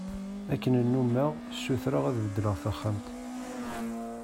Akken nummeɣ sutreɣ ad beddleɣ taxxamt.